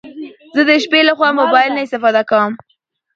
زه د شپې لخوا موبايل نه استفاده کوم